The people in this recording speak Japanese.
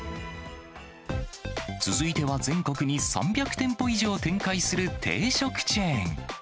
続いては全国に３００店舗以上展開する定食チェーン。